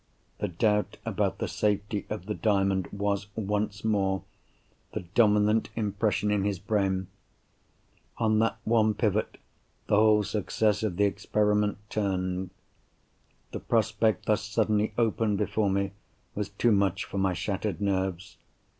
The doubt about the safety of the Diamond was, once more, the dominant impression in his brain! On that one pivot, the whole success of the experiment turned. The prospect thus suddenly opened before me was too much for my shattered nerves.